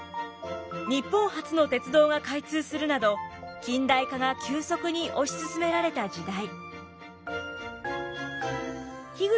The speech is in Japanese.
日本初の鉄道が開通するなど近代化が急速に推し進められた時代。